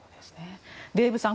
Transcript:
デーブさん